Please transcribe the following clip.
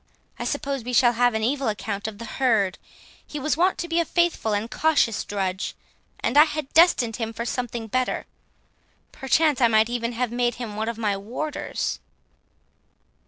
I suppose we shall have an evil account of the herd; he was wont to be a faithful and cautious drudge, and I had destined him for something better; perchance I might even have made him one of my warders."